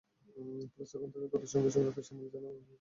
ফেরেশতাগণ তাকে ধরে সঙ্গে করে আকাশে নিয়ে যান এবং সে সেখানেই রয়ে যায়।